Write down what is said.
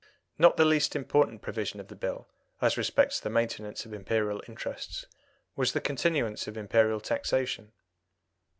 Not the least important provision of the Bill, as respects the maintenance of Imperial interests, was the continuance of Imperial taxation.